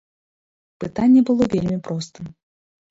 Пытанне было вельмі простым.